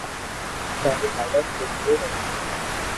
ٿاري ھالت تو جو